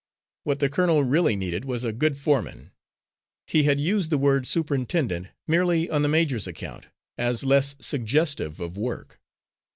What the colonel really needed was a good foreman he had used the word "superintendent" merely on the major's account, as less suggestive of work.